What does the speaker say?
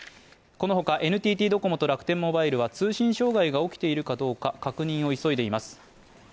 このほかＮＴＴドコモと楽天モバイルは通信障害が起きているかどうか確認を急いでいます。